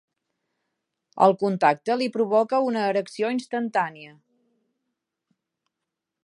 El contacte li provoca una erecció instantània.